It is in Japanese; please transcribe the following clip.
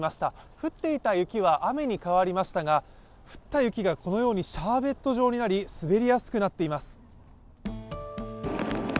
降っていた雪は雨に変わりましたが、降った雪がこのようにシャーベット状になり、滑りやすくなっています。